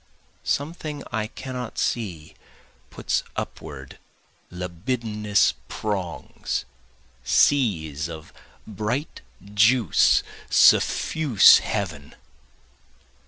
Something I cannot see puts upward libidinous prongs, Seas of bright juice suffuse heaven.